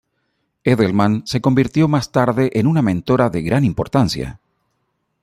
Edelman se convirtió más tarde en una mentora de gran importancia.